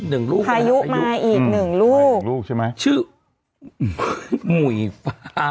หนึ่งลูกพายุมาอีกหนึ่งลูกลูกใช่ไหมชื่อหมุยฟ้า